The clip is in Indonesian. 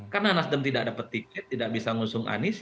karena nasdem tidak dapat tiket tidak bisa mengusung anis